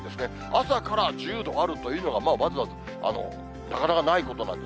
朝から１０度あるというのが、まずはなかなかないことなんです。